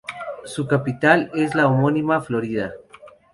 Su capital es la homónima Florida.